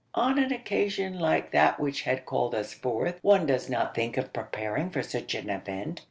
On an occasion like that which had called us forth, one does not think of preparing for such an event.